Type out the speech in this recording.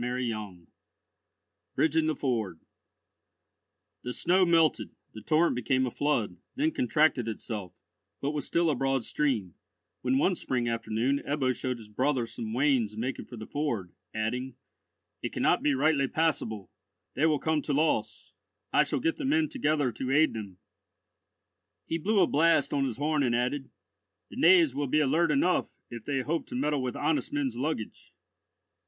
CHAPTER XVII BRIDGING THE FORD The snow melted, the torrent became a flood, then contracted itself, but was still a broad stream, when one spring afternoon Ebbo showed his brother some wains making for the ford, adding, "It cannot be rightly passable. They will come to loss. I shall get the men together to aid them." He blew a blast on his horn, and added, "The knaves will be alert enough if they hope to meddle with honest men's luggage."